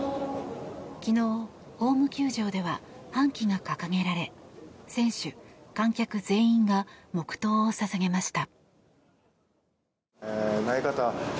昨日、ホーム球場では半旗が掲げられ選手、観客全員が黙祷を捧げました。